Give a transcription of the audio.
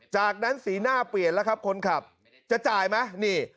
จากนั้นสีหน้าเปลี่ยนแล้วครับคนขับจะจ่ายไหมนี่